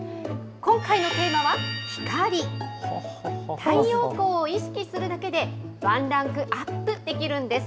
太陽光を意識するだけでワンランクアップできるんです。